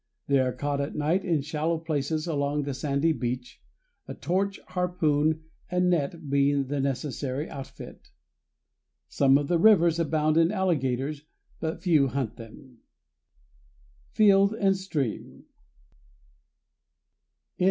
They are caught at night in shallow places along the sandy beach, a torch, harpoon, and net being the necessary outfit. Some of the rivers abound in alligators, but few hunt them. Field and Stream. [Illustration: NIAGARA FALLS. CHICAGO: A. W.